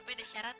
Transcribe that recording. tapi ada syaratnya